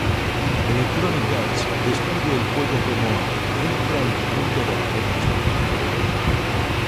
Electronic Arts describe el juego como: Entra en el mundo de la guerra especializada.